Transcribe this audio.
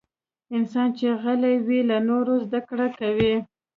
انسان چې غلی وي، له نورو زدکړه کوي.